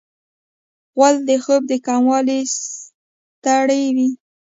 غول د خوب د کموالي ستړی وي.